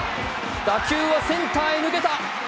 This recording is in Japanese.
打球はセンターへ抜けた。